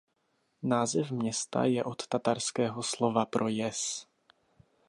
Název města je od tatarského slova pro "jez".